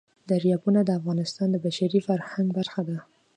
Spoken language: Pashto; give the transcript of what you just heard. دریابونه د افغانستان د بشري فرهنګ برخه ده.